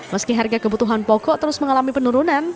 meski harga kebutuhan pokok terus mengalami penurunan